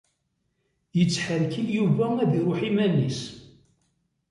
Yettḥeṛkil Yuba ad iṛuḥ iman-is.